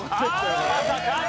まさか？